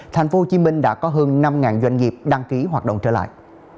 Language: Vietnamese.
tp hcm đã có hơn năm doanh nghiệp đăng ký hoạt động trở lại